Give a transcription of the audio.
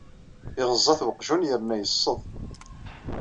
Iɣeẓẓa-t weqjun yerna yesseḍ.